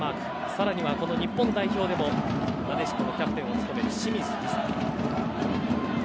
更には、この日本代表でもなでしこのキャプテンを務める清水梨紗です。